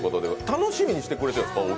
楽しみにしてくれてるんですか。